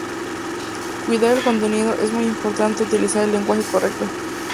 Cuidar el contenido: es muy importante utilizar el lenguaje correcto.